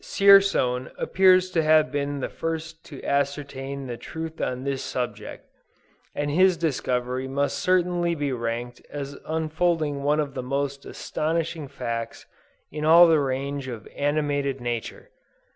Dzierzon appears to have been the first to ascertain the truth on this subject; and his discovery must certainly be ranked as unfolding one of the most astonishing facts in all the range of animated nature.